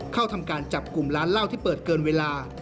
เข้าทำการจับกลุ่มร้านเหล้าที่เปิดเกินเวลา